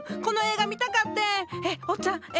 この映画見たかってん。